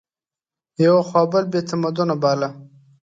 یوه خوا بل بې تمدنه باله